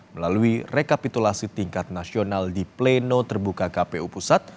melalui rekapitulasi tingkat nasional di pleno terbuka kpu pusat